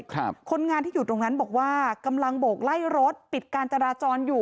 คนงานที่อยู่ตรงนั้นบอกว่ากำลังโบกไล่รถปิดการจราจรอยู่